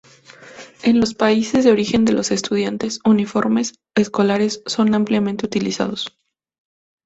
En los países de origen de los estudiantes, uniformes escolares son ampliamente utilizados.